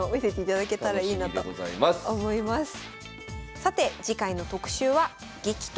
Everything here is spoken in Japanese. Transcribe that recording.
さて次回の特集は「激闘！